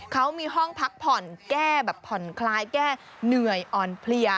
เขามีห้องพักผ่อนแก้แบบผ่อนคลายแก้เหนื่อยอ่อนเพลีย